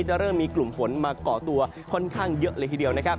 เริ่มมีกลุ่มฝนมาก่อตัวค่อนข้างเยอะเลยทีเดียวนะครับ